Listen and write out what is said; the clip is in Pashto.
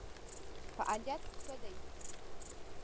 فعالیت ښه دی.